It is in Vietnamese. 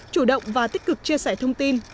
chủ động và tích cực chia sẻ thông tin